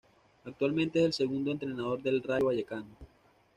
Actualmente es el segundo entrenador del Rayo Vallecano.